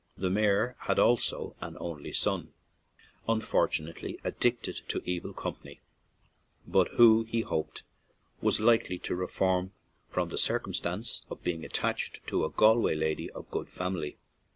The mayor had also an only son, unfor tunately addicted to evil company, hut who, he hoped, was likely to reform, from the circumstance of his being attached to a Galway lady of good family.